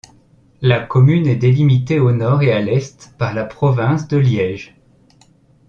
La commune est délimitée au nord et à l’est par la province de Liège.